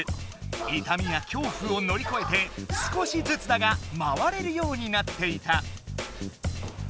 いたみやきょうふをのりこえて少しずつだが回れるようになっていた。